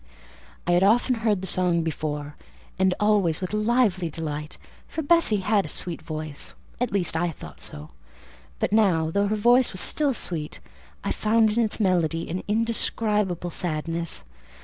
I had often heard the song before, and always with lively delight; for Bessie had a sweet voice,—at least, I thought so. But now, though her voice was still sweet, I found in its melody an indescribable sadness.